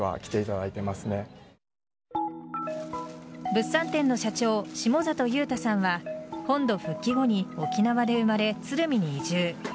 物産店の社長・下里優太さんは本土復帰後に沖縄で生まれ鶴見に移住。